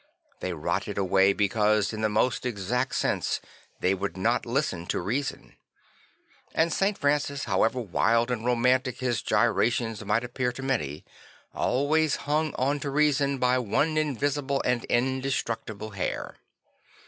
They rotted away because, in the most exact sense, they would not listen to reason, And St. Francis, however wild and romantic his gyrations might appear t9 many, always hung on to reason by one invisible and indestructible hair.